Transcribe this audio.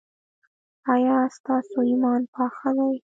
ایا ستاسو ایمان پاخه دی؟